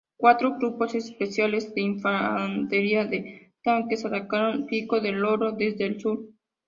Cuatro grupos especiales de infantería de tanques atacaron Pico del Loro desde el sur.